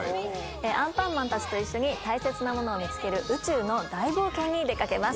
アンパンマンたちと一緒に大切なものを見つける宇宙の大冒険に出かけます。